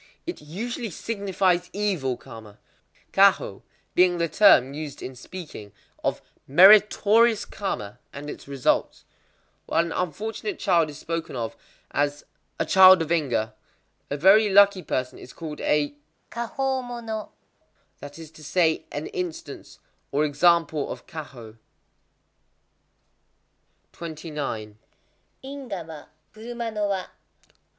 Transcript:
It usually signifies evil karma; kwahō being the term used in speaking of meritorious karma and its results. While an unfortunate child is spoken of as "a child of ingwa," a very lucky person is called a "kwahō mono,"—that is to say, an instance, or example of kwahō. 29.—_Ingwa wa, kuruma no wa.